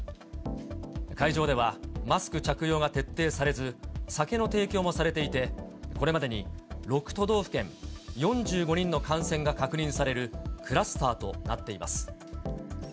会場では、マスク着用が徹底されず、酒の提供もされていて、これまでに６都道府県４５人の感染が確認される、クラスターとなっています。